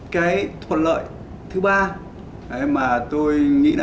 cái thuật lợi thứ ba mà tôi nghĩ là